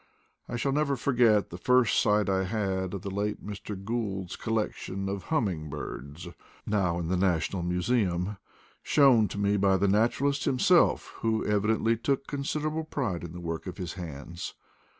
I shall never forget the first sight I had of the late Mr. Gould's collection of humming birds (now in the National Museum), shown to me by the naturalist himself, who evidently took consider able pride in the work of his hands.